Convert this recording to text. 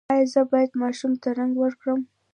ایا زه باید ماشوم ته زنک ورکړم؟